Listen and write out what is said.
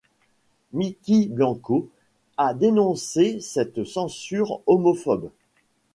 Mykki Blanco a dénoncé cette censure homophobe.